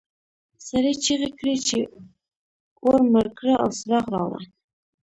سړي چیغې کړې چې اور مړ کړه او څراغ راوړه.